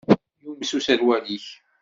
Yumes userwal-ik.